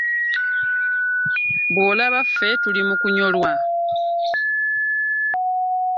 Bw'olaba ffe tuli mukunyolwa.